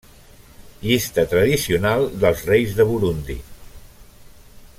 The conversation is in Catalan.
Llista tradicional dels reis de Burundi.